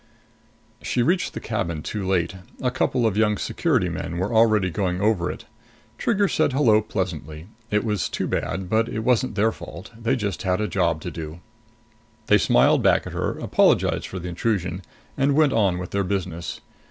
She reached the cabin too late. A couple of young Security men already were going over it. Trigger said hello pleasantly. It was too bad, but it wasn't their fault. They just had a job to do. They smiled back at her, apologized for the intrusion and went on with their business.